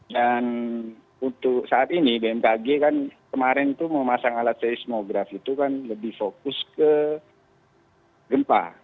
dan untuk saat ini bmkg kan kemarin itu memasang alat seismograf itu kan lebih fokus ke gempa